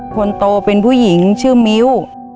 คนโตเป็นผู้หญิงชื่อมิ้ว